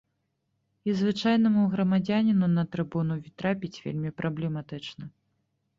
І звычайнаму грамадзяніну на трыбуну трапіць вельмі праблематычна.